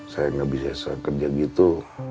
saya gak bisa sekerja gitu